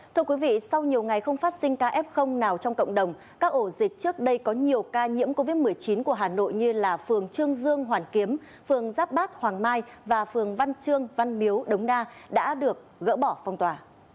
thưa quý vị sau nhiều ngày không phát sinh ca f nào trong cộng đồng các ổ dịch trước đây có nhiều ca nhiễm covid một mươi chín của hà nội như là phường trương dương hoàn kiếm phường giáp bát hoàng mai và phường văn trương văn miếu đống đa đã được gỡ bỏ phong tỏa